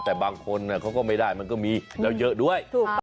แต่บางคนเขาก็ไม่ได้มันก็มีแล้วเยอะด้วย